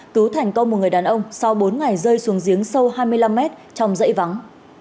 cứu thành công một người đàn ông sau bốn ngày rơi xuống giếng sâu hai mươi năm mét trong dãy vắng